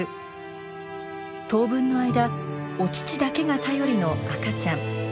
当分の間お乳だけが頼りの赤ちゃん。